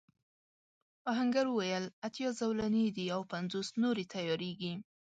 آهنګر وویل اتيا زولنې دي او پنځوس نورې تياریږي.